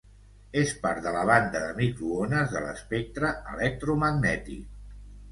És part de la banda de microones de l'espectre electromagnètic.